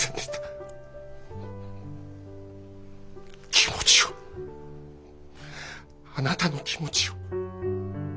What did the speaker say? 気持ちをあなたの気持ちを。